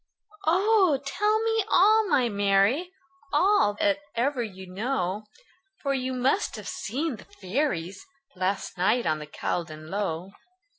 "Oh! tell me all, my Mary All, all that ever you know; For you must have seen the fairies, Last night on the Caldon Low."